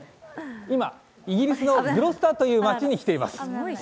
今、イギリスのグロスターという街に来ています。